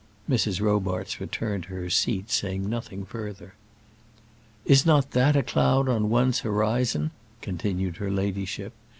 Mrs. Robarts returned to her seat, saying nothing further. "Is not that a cloud on one's horizon?" continued her ladyship.